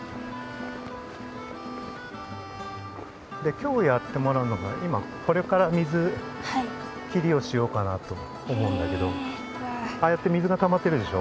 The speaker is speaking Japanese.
きょうやってもらうのが今これから水切りをしようかなと思うんだけどああやって水がたまってるでしょ？